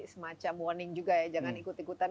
semacam warning juga ya jangan ikut ikutan